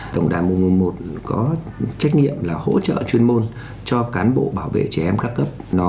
tổng đài một trăm một mươi một có trách nhiệm là hỗ trợ chuyên môn cho cán bộ bảo vệ trẻ em các cấp